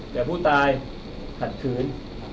แต่ผู้ตายขัดขืน